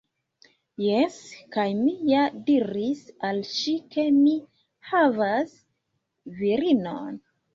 Jes! Kaj mi ja diris al ŝi ke mi havas virinon